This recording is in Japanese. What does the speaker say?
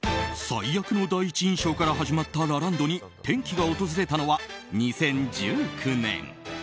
最悪の第一印象から始まったラランドに転機が訪れたのは２０１９年。